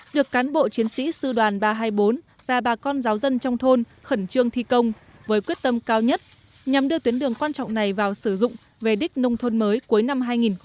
được cán bộ chiến sĩ sư đoàn ba trăm hai mươi bốn và bà con giáo dân trong thôn khẩn trương thi công với quyết tâm cao nhất nhằm đưa tuyến đường quan trọng này vào sử dụng về đích nông thôn mới cuối năm hai nghìn một mươi tám